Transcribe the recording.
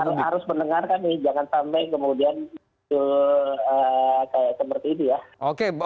pak jokowi harus mendengarkan nih jangan sampai kemudian seperti ini ya